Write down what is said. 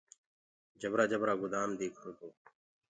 جبرآ جبرآ گُدآم ديکرو تو۔